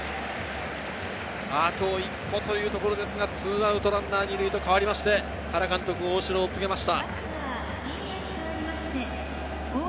あと一歩というところですが、２アウトランナー２塁と変わりまして、原監督、大城を告げました。